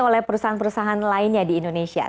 oleh perusahaan perusahaan lainnya di indonesia